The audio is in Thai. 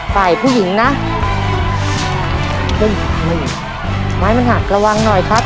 ฝ่ายผู้หญิงนะเฮ้ยไม้มันหักระวังหน่อยครับ